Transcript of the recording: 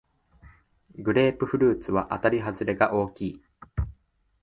グレープフルーツはあたりはずれが大きい